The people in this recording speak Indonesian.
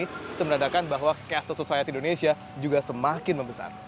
kita mendadakan bahwa kese sosialitas indonesia juga semakin membesar